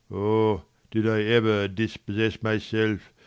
Oh, did I ever dispossess my self, 75 Sc.